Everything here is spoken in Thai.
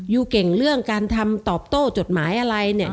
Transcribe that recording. เก่งเรื่องการทำตอบโต้จดหมายอะไรเนี่ย